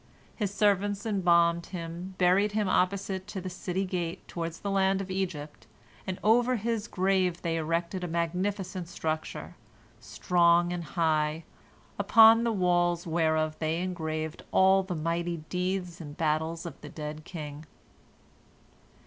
His servants embalmed him, buried him opposite to the city gate toward the land of Egypt, and over his grave they erected a magnificent structure, strong and high, upon the walls whereof they engraved all the mighty deeds and battles of the dead king.